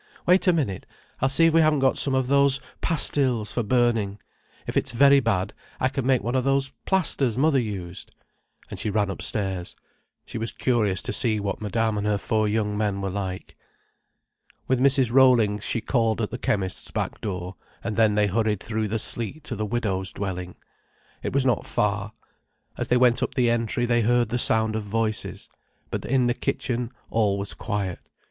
Wait a minute, I'll see if we haven't got some of those pastilles for burning. If it's very bad, I can make one of those plasters mother used." And she ran upstairs. She was curious to see what Madame and her four young men were like. With Mrs. Rollings she called at the chemist's back door, and then they hurried through the sleet to the widow's dwelling. It was not far. As they went up the entry they heard the sound of voices. But in the kitchen all was quiet.